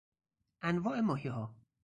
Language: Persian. انواع ماهیها